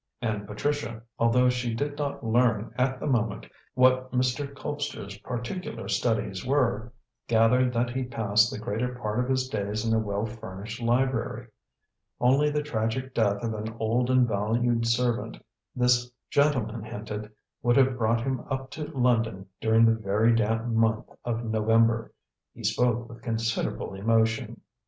And Patricia, although she did not learn at the moment what Mr. Colpster's particular studies were, gathered that he passed the greater part of his days in a well furnished library. Only the tragic death of an old and valued servant, this gentleman hinted, would have brought him up to London during the very damp month of November. He spoke with considerable emotion.